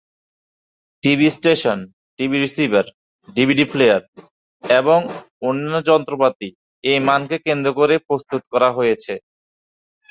TV station, TV receiver, DVD player এবং অন্যান্য যন্ত্রপাতি এই মানকে কেন্দ্র করে প্রস্তুত করা হয়েছে।